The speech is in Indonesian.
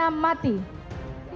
pasca aman dituntut hukuman mati